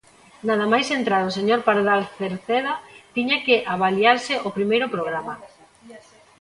Nada máis entrar o señor Pardal Cerceda tiña que avaliarse o primeiro programa.